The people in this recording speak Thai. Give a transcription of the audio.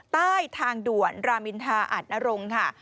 ใต้ทางด่วนรามินทาอัดนรงค์ค่ะ